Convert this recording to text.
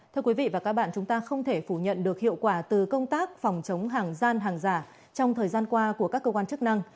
thưa quý vị và các bạn chúng ta không thể phủ nhận được hiệu quả từ công tác phòng chống hàng gian hàng giả trong thời gian qua của các cơ quan chức năng